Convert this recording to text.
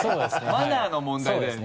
マナーの問題だよね。